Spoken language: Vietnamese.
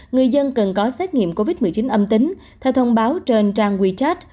người dân cần có xét nghiệm covid một mươi chín âm tính theo thông báo trên trang wechat